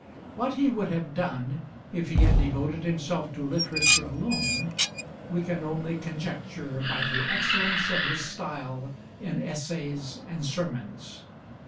What he would have done if he had devoted himself to literature alone, we can only conjecture by the excellence of his style in essays and sermons.